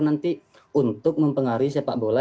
nanti untuk mempengaruhi sepak bola